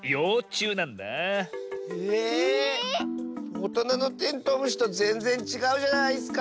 おとなのテントウムシとぜんぜんちがうじゃないスか！